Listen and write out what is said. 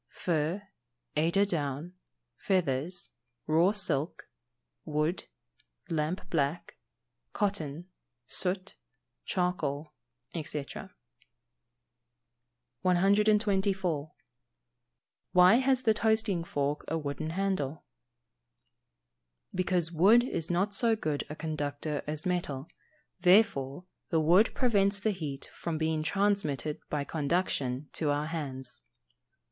_ Fur, eider down, feathers, raw silk, wood, lamp black, cotton, soot, charcoal, &c. 124. Why has the toasting fork a wooden handle? Because wood is not so good a conductor as metal, therefore the wood prevents the heat from being transmitted by conduction to our hands.